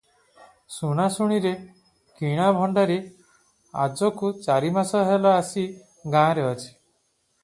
ଶୁଣାଶୁଣିରେ କିଣା ଭଣ୍ଡାରି ଆଜକୁ ଚାରିମାସ ହେଲା ଆସି ଗାଁଆରେ ଅଛି ।